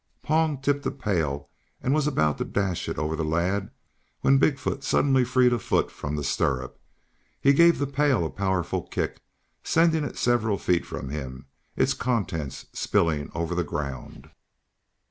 Pong tipped the pail and was about to dash it over the lad when Big foot suddenly freed a foot from the stirrup. He gave the pail a powerful kick sending it several feet from him, its contents spilling over the ground.